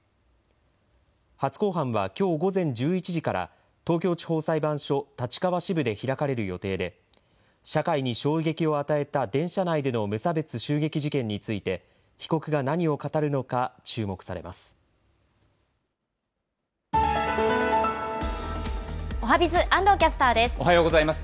初公判はきょう午前１１時から、東京地方裁判所立川支部で開かれる予定で、社会に衝撃を与えた電車内での無差別襲撃事件について、おはＢｉｚ、おはようございます。